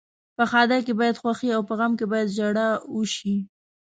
په ښادۍ کې باید خوښي او په غم کې باید ژاړا وشي.